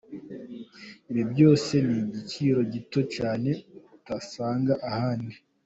Ibi byose ni kugiciro gito cyane utasanga ahandi.